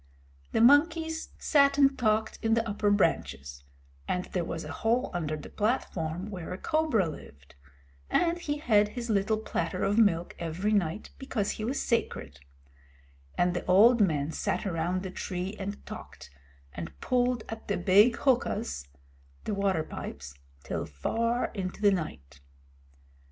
The monkeys sat and talked in the upper branches, and there was a hole under the platform where a cobra lived, and he had his little platter of milk every night because he was sacred; and the old men sat around the tree and talked, and pulled at the big huqas (the water pipes) till far into the night.